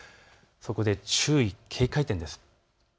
そこで注意警戒点です。